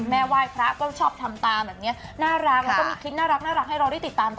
ไหว้พระก็ชอบทำตามแบบเนี้ยน่ารักแล้วก็มีคลิปน่ารักให้เราได้ติดตาม